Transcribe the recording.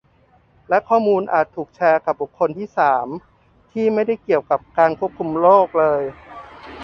และข้อมูลอาจถูกแชร์กับบุคคลที่สามที่ไม่ได้เกี่ยวกับการคุมโรคเลย